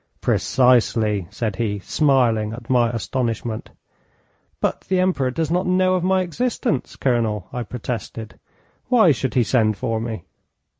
'Precisely,' said he, smiling at my astonishment. 'But the Emperor does not know of my existence, Colonel,' I protested. 'Why should he send for me?'